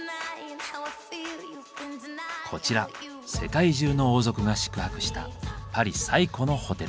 こちら世界中の王族が宿泊したパリ最古のホテル。